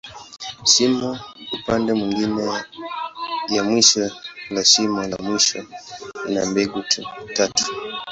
Shimo upande mwingine ya mwisho la shimo la mwisho, ina mbegu tatu.